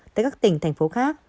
tại các tỉnh thành phố khác